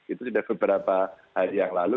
itu sudah beberapa hari yang lalu